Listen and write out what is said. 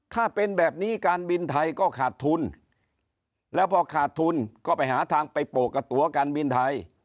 ถ้าเป็นแบบนี้การบินไทยก็ขาดทุนแล้วพอขาดทุนก็ไปหาทางไปโปกกับตัวการบินไทย